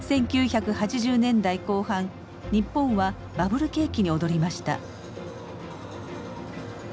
１９８０年代後半日本はバブル景気に踊りました。